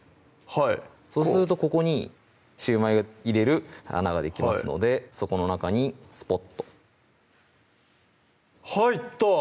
はいそうするとここに焼売を入れる穴ができますのでそこの中にスポッと入った！